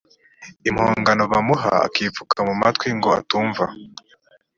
impongano bamuha akipfuka mu matwi ngo atumva